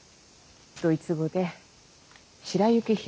ドイツ語で白雪姫。